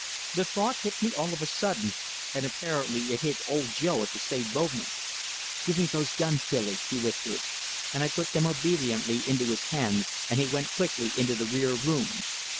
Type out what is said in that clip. The thought hit me all of a sudden; and apparently it hit Old Joe at the same moment. "Give me those guns, Billy," he whispered, and I put them obediently into his hands, and he went quickly into the rear rooms.